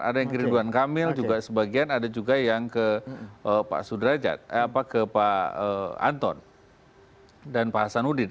ada yang ke ridwan kamil juga sebagian ada juga yang ke pak sudrajat ke pak anton dan pak hasanuddin